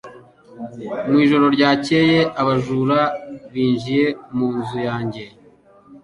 Mu ijoro ryakeye abajura binjiye mu nzu yanjye